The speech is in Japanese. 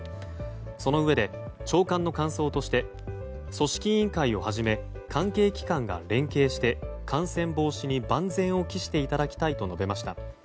そのうえで、長官の感想として組織委員会をはじめ関係機関が連携して感染防止に万全を期していただきたいと述べました。